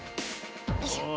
よいしょ。